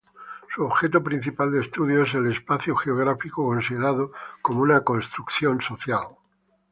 Su objeto principal de estudio es el espacio geográfico, considerado como una construcción social.